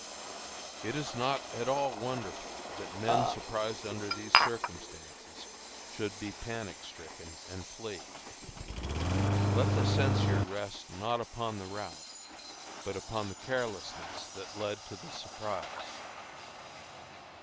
It is not at all wonderful that men surprised under these circumstances should be panic stricken and flee. Let the censure rest not upon the rout, but upon the carelessness that led to the surprise.